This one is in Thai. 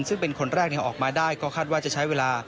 ซึ่งเป็นคนแรกออกมาได้ก็คาดว่าจะใช้เวลา